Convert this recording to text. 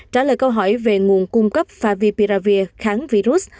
trả lời câu hỏi về nguồn cung cấp favipravir kháng virus